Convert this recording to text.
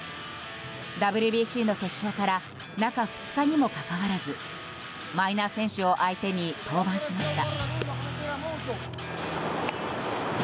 ＷＢＣの決勝から中２日にもかかわらずマイナー選手を相手に登板しました。